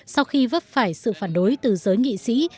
sau khi vấp phải sự phản đối từ giới nghị sĩ